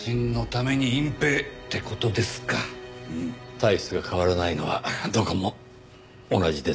体質が変わらないのはどこも同じですねぇ。